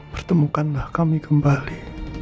pertemukanlah kami kembali